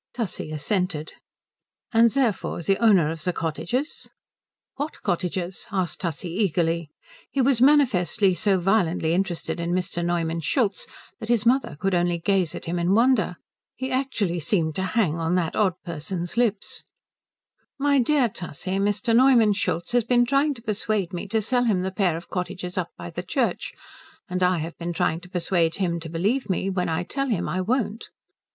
Tussie assented. "And therefore the owner of the cottages?" "What cottages?" asked Tussie, eagerly. He was manifestly so violently interested in Mr. Neumann Schultz that his mother could only gaze at him in wonder. He actually seemed to hang on that odd person's lips. "My dear Tussie, Mr. Neumann Schultz has been trying to persuade me to sell him the pair of cottages up by the church, and I have been trying to persuade him to believe me when I tell him I won't."